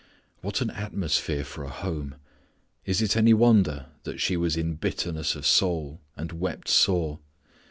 What an atmosphere for a home! Is it any wonder that "she was in bitterness of soul" and "wept sore"?